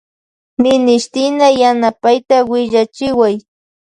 Minishtina yanapayta willachiway.